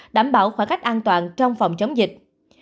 đảm bảo khoảng cách an toàn trong phòng chống dịch